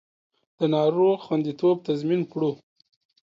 د ناروغ خوندیتوب تضمین کړو